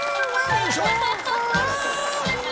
よいしょ！